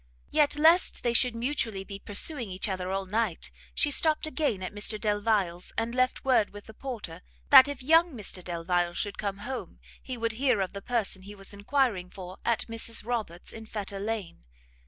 Yet, lest they should mutually be pursuing each other all night, she stopt again at Mr Delvile's, and left word with the porter, that if young Mr Delvile should come home, he would hear of the person he was enquiring for at Mrs Roberts's in Fetter lane.